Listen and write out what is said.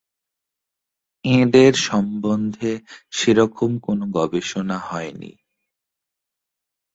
এঁদের সম্বন্ধে সেরকম কোনো গবেষণা হয়নি।